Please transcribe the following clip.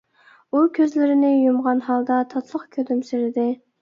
ئۇ كۆزلىرىنى يۇمغان ھالدا تاتلىق كۈلۈمسىرىدى.